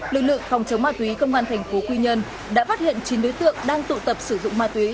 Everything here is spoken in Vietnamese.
lực lượng phòng chống ma túy công an thành phố quy nhơn đã phát hiện chín đối tượng đang tụ tập sử dụng ma túy